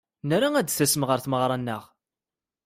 Nra ad d-tasem ɣer tmeɣra-nneɣ.